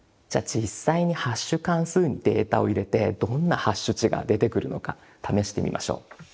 実際にハッシュ関数にデータを入れてどんなハッシュ値が出てくるのか試してみましょう。